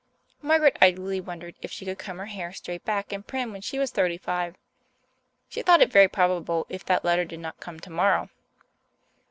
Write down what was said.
Margaret idly wondered if she would comb her hair straight back and prim when she was thirty five. She thought it very probable if that letter did not come tomorrow.